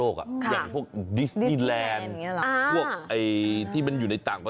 อันนั้นอาจจะเป็นเครื่องเล่นแหละ